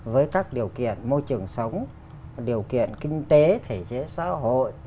với các điều kiện môi trường sống điều kiện kinh tế thể chế xã hội